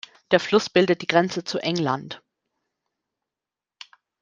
Der Fluß bildet die Grenze zu England.